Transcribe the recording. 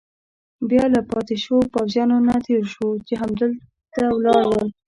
بیا له پاتې شوو پوځیانو نه تېر شوو، چې هملته ولاړ ول.